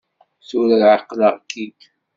Tura εeqleɣ-k-id.